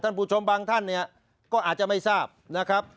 ผู้ชมบางท่านเนี่ยก็อาจจะไม่ทราบนะครับ